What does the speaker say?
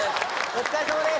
お疲れさまです